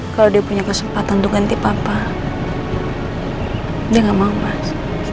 kalau dia punya kesempatan untuk ganti papa dia nggak mau bahas